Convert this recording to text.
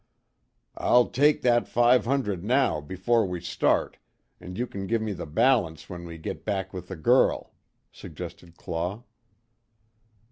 "I'll take that five hundred now, before we start, an' you kin give me the balance when we git back with the girl," suggested Claw.